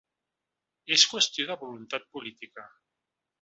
És qüestió de voluntat política.